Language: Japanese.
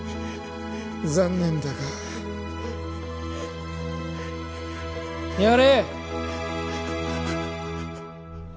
残念だがやれ！